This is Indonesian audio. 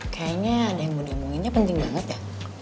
kayaknya ada yang mau diomonginnya penting banget ya